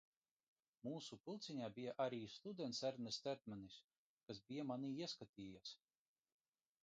Mūsu pulciņā bija arī students Ernests Erdmanis, kas bija manī ieskatījies.